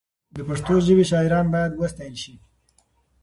د پښتو ژبې شاعران باید وستایل شي.